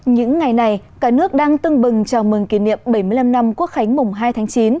những ngày này cả nước đang tưng bừng chào mừng kỷ niệm bảy mươi năm năm quốc khánh mùng hai tháng chín